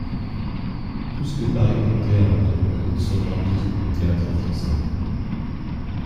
Tout ce que Paris comptait alors de beau monde se rendit au Théâtre-Français.